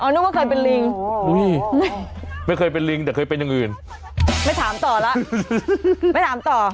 นึกว่าเคยเป็นลิงไม่เคยเป็นลิงแต่เคยเป็นอย่างอื่นไม่ถามต่อแล้วไม่ถามต่อ